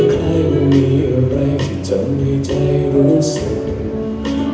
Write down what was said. คล้ายว่ามีอะไรที่จำให้ใจรู้สึก